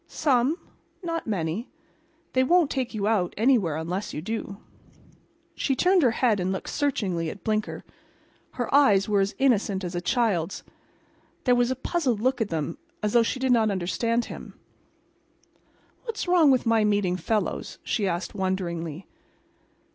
"Some. Not many. They won't take you out anywhere unless you do." She turned her head and looked searchingly at Blinker. Her eyes were as innocent as a child's. There was a puzzled look in them, as though she did not understand him. "What's wrong about my meeting fellows?" she asked, wonderingly.